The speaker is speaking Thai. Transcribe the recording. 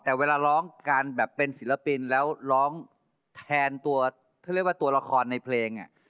แต่เวลาร้องการแบบเป็นศิลปินแล้วร้องแทนตัวเขาเรียกว่าตัวละครในเพลง